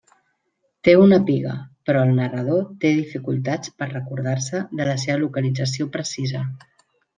Té una piga, però el narrador té dificultats per recordar-se de la seva localització precisa.